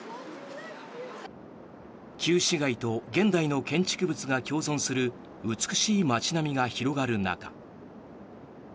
旧市街と現代の建築物が共存する美しい街並みが広がる中。